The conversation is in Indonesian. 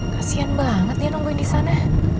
kasihan banget dia nombhin disana